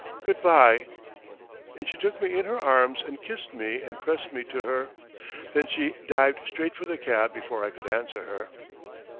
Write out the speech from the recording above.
Good bye!" And she took me in her arms and kissed me and pressed me to her. Then she dived straight for the cab before I could answer her.